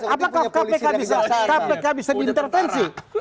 apakah kpk bisa diintervensi